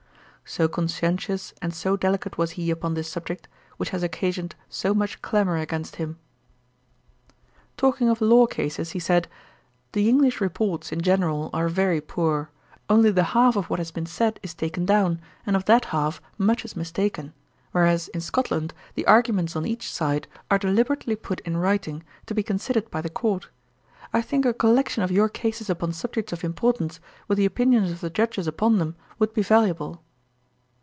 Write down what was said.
So conscientious and so delicate was he upon this subject, which has occasioned so much clamour against him. Talking of law cases, he said, 'The English reports, in general, are very poor: only the half of what has been said is taken down; and of that half, much is mistaken. Whereas, in Scotland, the arguments on each side are deliberately put in writing, to be considered by the Court. I think a collection of your cases upon subjects of importance, with the opinions of the Judges upon them, would be valuable.'